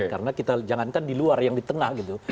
karena kita jangankan di luar yang di tengah gitu